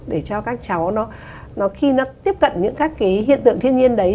để cho các cháu nó khi nó tiếp cận những các cái hiện tượng thiên nhiên đấy